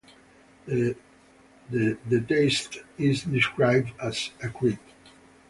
The taste is described as acrid.